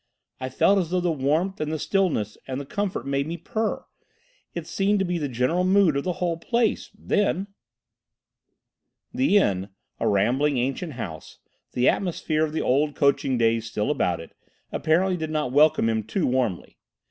"I felt as though the warmth and the stillness and the comfort made me purr. It seemed to be the general mood of the whole place—then." The inn, a rambling ancient house, the atmosphere of the old coaching days still about it, apparently did not welcome him too warmly.